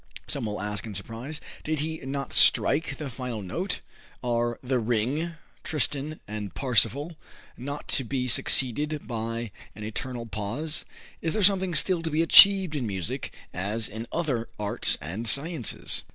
some will ask in surprise. "Did he not strike the final note? Are the 'Ring,' 'Tristan' and 'Parsifal' not to be succeeded by an eternal pause? Is there something still to be achieved in music as in other arts and sciences?"